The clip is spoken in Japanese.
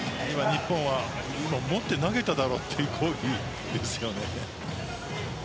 日本は今持って投げただろうという攻撃をしていました。